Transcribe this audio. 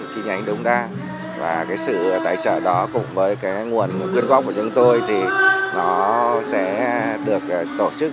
chi nhánh đông đa và cái sự tài trợ đó cùng với cái nguồn quyên góp của chúng tôi thì nó sẽ được tổ chức